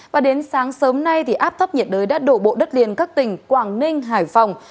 và đến sáng sớm nay thì áp thấp nhiệt đới đã đổ bộ đất liền các tỉnh quảng ninh hải phòng